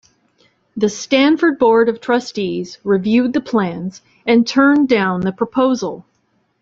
The Stanford Board of Trustees reviewed the plans and turned down the proposal.